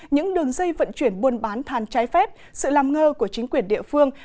những đường dây vận chuyển buôn bán than trái phép sự làm ngơ của chính quyền địa phương